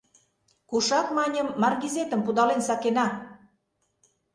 Кушак, маньым, Маргизетым пудален сакена!